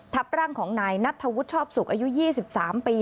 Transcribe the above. ทับร่างของนายนัทธวุฒิชอบสุขอายุ๒๓ปี